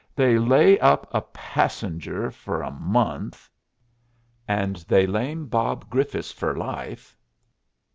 "They lay up a passenger fer a month. And they lame Bob Griffiths fer life.